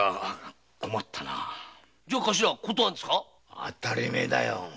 当たり前だよ。